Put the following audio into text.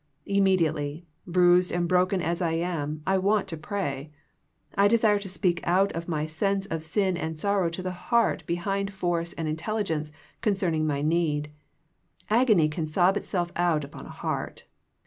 Immediately, bruised and broken as I am, 1 want to pray. I desire to speak out of my sense of sin and sorrow to the heart be hind force and intelligence concerning my need. Agony can sob itself out upon a heart.